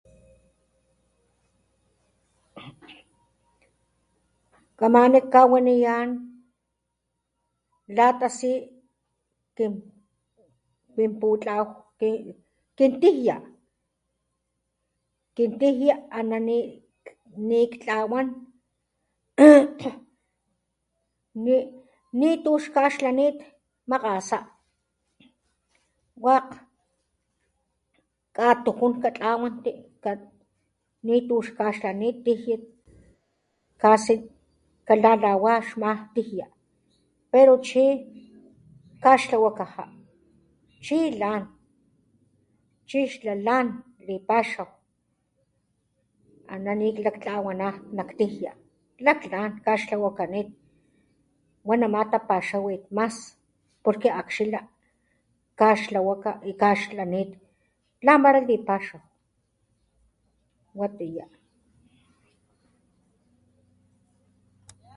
Kamana kawaniyán la tasí kin putlaw, kin tijia, kin tajia aná ni ktlawán ni, ni tu xkaxlanit makasá, wek katujún katlawanti, ni tu xkaxlanit tijia, kasi kalalawá xmá tijia, pero chi kaxtlawakajá, chi lán chixla lan, lipaxaw aná ni klaktlawaná nak tijia, laklán kaxtlawakanit wanamá tapaxawit, mas porque axila, kaxtlawa y kaxlanit, lamara lipaxaw , watiyá.